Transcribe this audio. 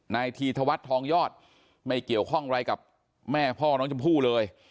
นายธีธวัฒน์ทองยอดไม่เกี่ยวข้องอะไรกับแม่พ่อน้องชมพู่เลย